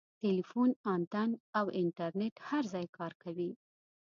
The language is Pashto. ټیلیفون انتن او انټرنیټ هر ځای کار کوي.